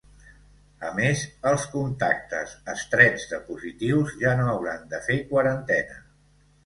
A més, els contactes estrets de positius ja no hauran de fer quarantena.